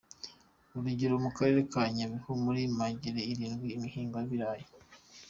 Urugero mu Karere ka Nyabihu hari imirenge irindwi ihinga ibirayi.